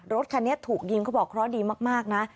รถคันนี้ถูกยิงเขาบอกเคราะห์ดีมากนะ